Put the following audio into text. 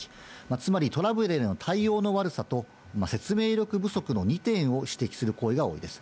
つまりトラブルへの対応の悪さと、説明力不足の２点を指摘する声が多いです。